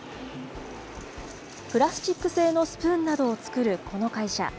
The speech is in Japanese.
プラスチック製のスプーンなどを作るこの会社。